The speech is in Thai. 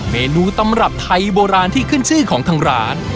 เมนูตำรับไทยโบราณที่ขึ้นชื่อของทางร้าน